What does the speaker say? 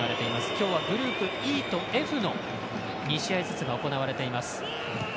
今日はグループＥとＦの２試合ずつが行われています。